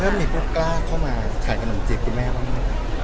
เพิ่มมีผู้กล้าเข้ามาขายขนมจิตที่แม่เข้ามาไหม